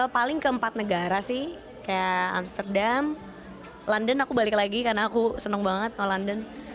paling ke empat negara sih kayak amsterdam london aku balik lagi karena aku senang banget kalau london